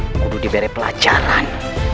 mereka harus diberi pelajaran